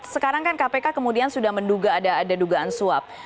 sekarang kan kpk kemudian sudah menduga ada dugaan suap